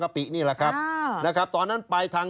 ชีวิตกระมวลวิสิทธิ์สุภาณฑ์